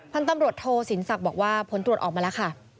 พันธมรถโทษศิลป์ศิลป์ศักดิ์บอกว่าผลตรวจออกมาแล้วค่ะ